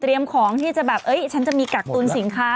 เตรียมของที่จะแบบเฮ้ยฉันจะมีกักตูนสินค้า